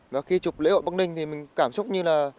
và khi chụp lễ hội bắc ninh thì mình cảm xúc như là